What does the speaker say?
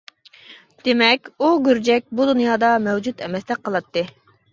دېمەك، ئۇ گۈرجەك بۇ دۇنيادا مەۋجۇت ئەمەستەك قىلاتتى.